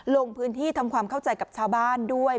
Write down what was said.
ลงพื้นที่ทำความเข้าใจกับชาวบ้านด้วย